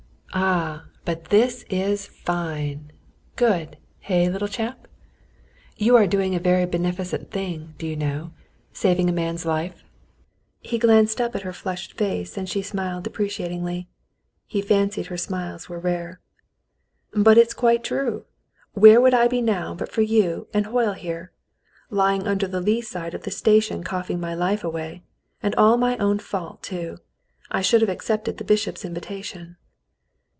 "Ah, but this is fine. Good, hey, little chap? You are doing a very beneficent thing, do you know, saving a man's life V He glanced up at her flushed face, and she smiled deprecatingly. He fancied her smiles were rare. "But it is quite true. Where would I be now but for you and Hoyle here ^ Lying under the lee side of the station coughing my life away, — and all my own fault, too. I should have accepted the bishop's invitation."